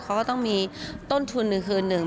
เขาก็ต้องมีต้นทุนหนึ่งคืนหนึ่ง